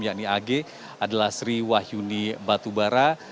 yakni ag adalah sri wahyuni batubara